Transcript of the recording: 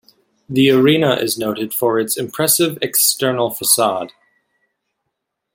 The arena is noted for its impressive external facade.